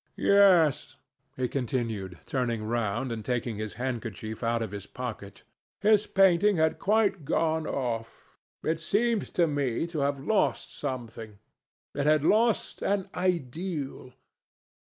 "Yes," he continued, turning round and taking his handkerchief out of his pocket; "his painting had quite gone off. It seemed to me to have lost something. It had lost an ideal.